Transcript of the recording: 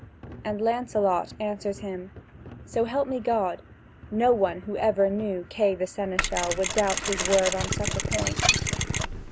And Lancelot answers him: "So help me God, no one who ever knew Kay the seneschal would doubt his word on such a point."